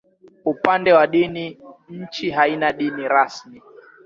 Upande wa dini, nchi haina dini rasmi.